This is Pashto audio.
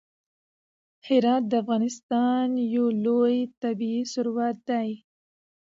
هرات د افغانستان یو لوی طبعي ثروت دی.